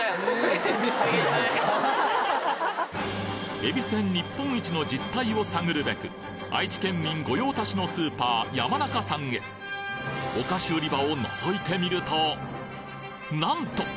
えびせん日本一の実態を探るべく愛知県民御用達のスーパーヤマナカさんへお菓子売り場を覗いてみるとなんと！